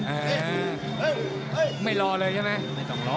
พวกไม่รอเลยใช่ไหม